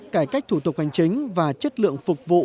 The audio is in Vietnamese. cải cách thủ tục hành chính và chất lượng phục vụ